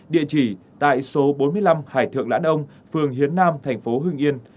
địa chỉ tại số bốn mươi năm hải thượng lãn âu phường hiến nam thành phố hương yên